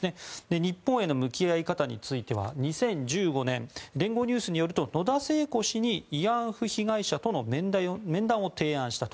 日本への向き合い方については２０１５年連合ニュースによると野田聖子氏に慰安婦被害者との面談を提案したと。